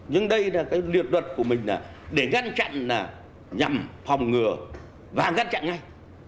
nhưng đây là cái liệt luật của mình là để ngăn chặn là nhằm phòng ngừa và ngăn chặn ngay